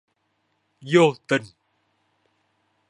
Vô tình